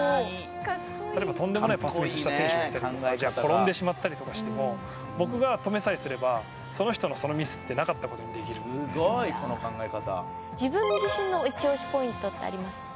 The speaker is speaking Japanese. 例えばとんでもないパスミスした選手がいたりとか転んでしまったりとかしても僕が止めさえすればその人の、そのミスってなかったことにできるんですよね。自分自身のイチオシポイントってありますか？